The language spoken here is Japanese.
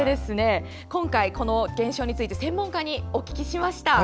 今回、この現象について専門家にお聞きしました。